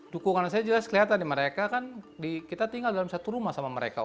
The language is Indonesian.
dukungan saya jelas kelihatan di mereka kan kita tinggal dalam satu rumah sama mereka